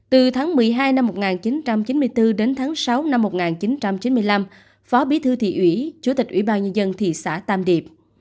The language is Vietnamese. từ tháng một mươi hai năm một nghìn chín trăm chín mươi bốn đến tháng sáu năm một nghìn chín trăm chín mươi năm phó bí thư thị ủy chủ tịch ủy ban nhân dân thị xã tam điệp